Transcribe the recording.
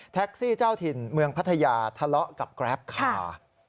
แท็กซี่เจ้าถิ่นเมืองพัทยาทะเลาะกับกราฟค่ะ